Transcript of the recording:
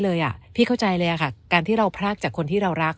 พี่เข้าใจเลยค่ะการที่เราพรากจากคนที่เรารัก